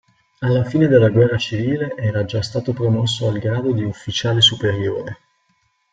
Alla fine della guerra civile era già stato promosso al grado di ufficiale superiore.